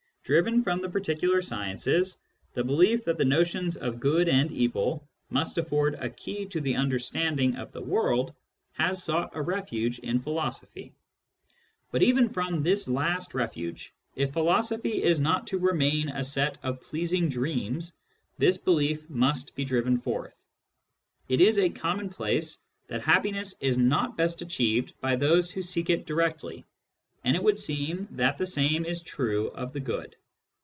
Driven from the particular sciences, the belief that the notions of good and evil must afford a key to the understanding of the world has sought a refuge in philosophy. But even from this last refuge, if philosophy is not to remain a set of pleasing dreams, this belief must be driven forth. It is a commonplace that happiness is not best achieved by those who seek it directly ; and it would seem that the same is true of the good.